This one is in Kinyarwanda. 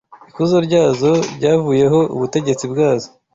Ikuzo ryazo ryavuyeho, ubutegetsi bwazo